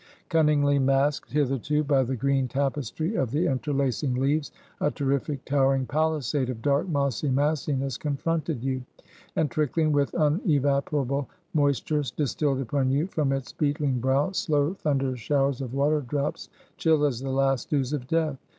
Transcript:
Cunningly masked hitherto, by the green tapestry of the interlacing leaves, a terrific towering palisade of dark mossy massiness confronted you; and, trickling with unevaporable moisture, distilled upon you from its beetling brow slow thunder showers of water drops, chill as the last dews of death.